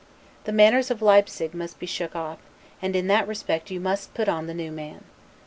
The manners of Leipsig must be shook off; and in that respect you must put on the new man.